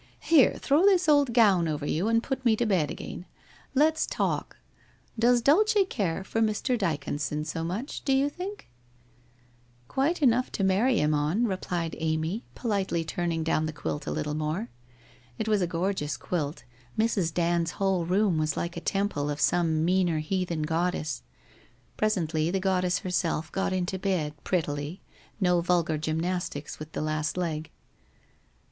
' Here, throw this old gown over you and put me to bed again. Let's talk. Does Dulce care for Mr. Dyconson so much, do you think ?'' Quito enough to marry him on,' replied Amy, politely turning down the quilt a little more. It was a gorgeous quilt, Mrs. Dand's whole room was like a temple of some meaner heathen goddess. Presently the goddess herself got into bed, prettily — no vulgar gymnastics with the last teg.